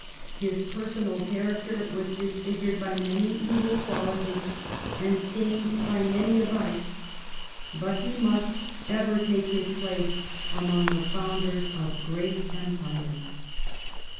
His personal character was disfigured by many evil qualities and stained by many vices, but he must ever take his place among the founders of great empires.